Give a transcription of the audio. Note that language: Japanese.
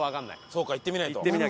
そうか行ってみないと。